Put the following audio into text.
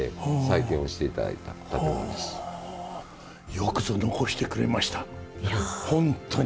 よくぞ残してくれましたホントに。